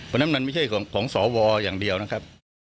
เพราะฉะนั้นมันไม่ใช่ของสวอย่างเดียวนะครับ